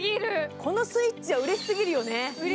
このスイッチはうれしすぎるよね。